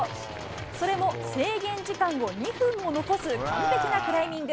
それも制限時間を２分も残す完璧なクライミング。